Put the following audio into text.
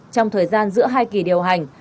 trong thời gian giữa hai kỳ điều hành